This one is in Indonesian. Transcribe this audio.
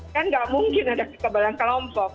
kan nggak mungkin ada kekebalan kelompok